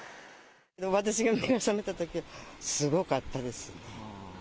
私が目が覚めたときすごかったです。